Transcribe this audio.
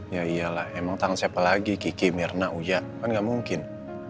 ya iyalah emang tang siapa lagi kiki mirna uya kan gak mungkin